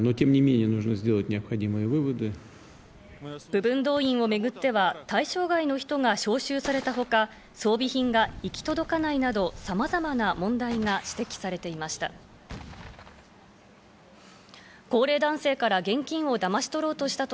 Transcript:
部分動員をめぐっては対象外の人が招集されたほか、装備品が行き届かないなど様々な問題が指摘されていました。